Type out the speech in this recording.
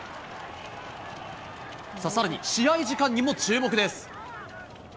さらに、試合時間にも注目です。